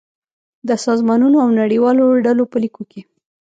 د سازمانونو او نړیوالو ډلو په ليکو کې